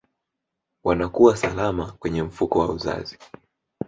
wanakuwa salama kwenye mfuko wa uzazi